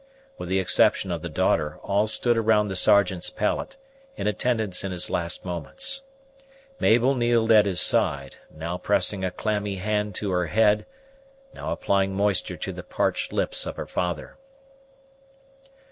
With the exception of the daughter, all stood around the Sergeant's pallet, in attendance in his last moments. Mabel kneeled at his side, now pressing a clammy hand to her head, now applying moisture to the parched lips of her father.